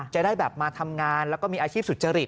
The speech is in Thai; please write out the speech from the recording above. จะได้แบบมาทำงานแล้วก็มีอาชีพสุจริต